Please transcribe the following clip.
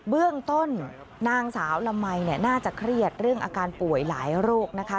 เบื้องต้นนางสาวละมัยน่าจะเครียดเรื่องอาการป่วยหลายโรคนะคะ